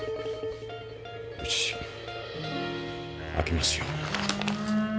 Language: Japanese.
よし開けますよ。